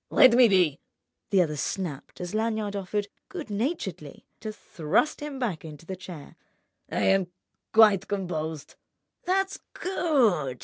"Let me be," the other snapped as Lanyard offered good naturedly to thrust him back into the chair. "I am—quite composed." "That's good!